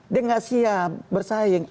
dia nggak siap bersaing